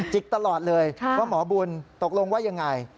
กตลอดเลยว่าหมอบุญตกลงว่ายังไง